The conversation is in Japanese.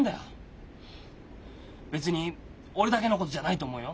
別に俺だけのことじゃないと思うよ。